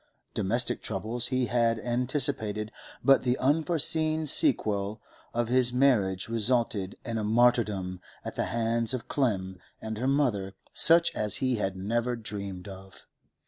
Domestic troubles he had anticipated, but the unforeseen sequel of his marriage resulted in a martyrdom at the hands of Clem and her mother such as he had never dreamed of.